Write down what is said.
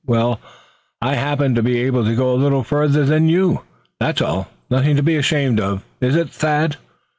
Well, I happen to be able to go a little further than you, that's all. Nothing to be ashamed of, is it, Thad?"